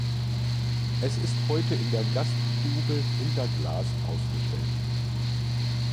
Es ist heute in der Gaststube hinter Glas ausgestellt.